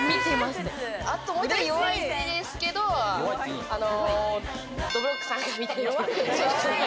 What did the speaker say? あともう１人弱いんですけれど、どぶろっくさんが見てるって。